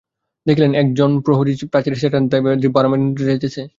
দেখিলেন, এক জন প্রহরী প্রাচীরে ঠেসান দিয়া দিব্য আরামে নিদ্রা যাইতেছে।